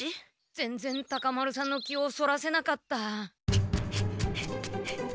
ぜんぜんタカ丸さんの気をそらせなかった。